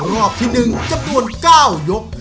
รอบที่หนึ่งจำนวนเก้ายก